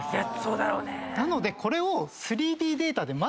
なのでこれを。